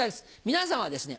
皆さんはですね